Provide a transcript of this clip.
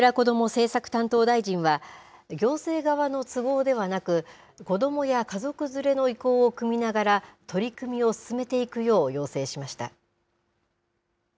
政策担当大臣は、行政側の都合ではなく、子どもや家族連れの意向をくみながら、取り組みを進めていくよう要請しました。